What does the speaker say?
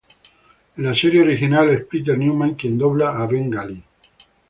En la serie original es Peter Newman quien dobla a "BenGalí".